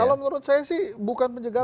kalau menurut saya sih bukan pencegahan